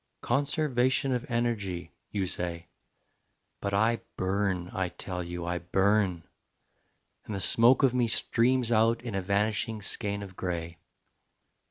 "Conservation of energy," you say. But I burn, I tell you, I burn; And the smoke of me streams out In a vanishing skein of grey.